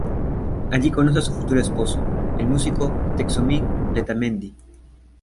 Allí conoce a su futuro esposo, el músico Txomin Letamendi.